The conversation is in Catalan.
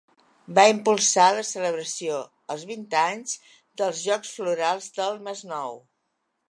Va impulsar la celebració, als anys vint, dels Jocs Florals del Masnou.